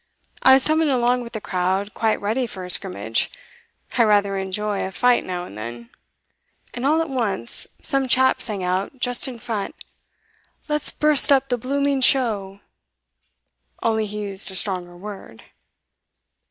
I was tumbling along with the crowd, quite ready for a scrimmage I rather enjoy a fight now and then, and all at once some chap sang out just in front, 'Let's burst up the blooming show!' only he used a stronger word.